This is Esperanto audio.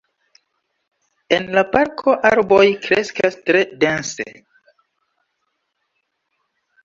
En la parko arboj kreskas tre dense.